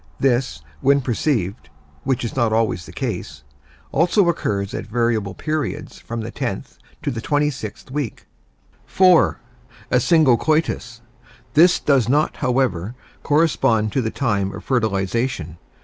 _ This, when perceived (which is not always the case), also occurs at variable periods from the tenth to the twenty sixth week. (4) A single coitus. This does not, however, correspond to the time of fertilization.